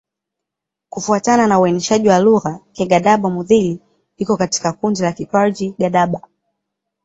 Kufuatana na uainishaji wa lugha, Kigadaba-Mudhili iko katika kundi la Kiparji-Gadaba.